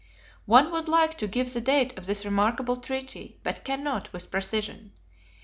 One would like to give the date of this remarkable Treaty; but cannot with precision.